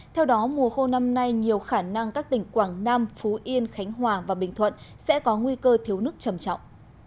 theo đó mùa khô năm nay nhiều khả năng các tỉnh quảng nam phú yên khánh hòa và bình thuận sẽ có nguy cơ thiếu nước trầm trọng